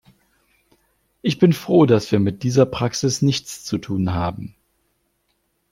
Ich bin froh, dass wir mit dieser Praxis nichts zu tun haben.